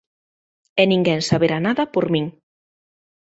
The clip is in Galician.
E ninguén saberá nada por min.